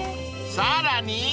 ［さらに］